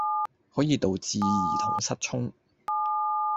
可以導致兒童失聰